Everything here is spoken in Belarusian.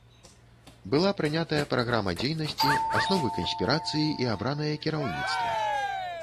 Была прынятая праграма дзейнасці, асновы канспірацыі і абранае кіраўніцтва.